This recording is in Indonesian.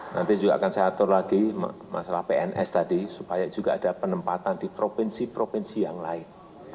nanti juga akan saya atur lagi masalah pns tadi supaya juga ada penempatan di provinsi provinsi yang lain